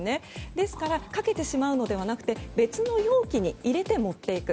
ですからかけてしまうのではなく別の容器に入れて持っていく。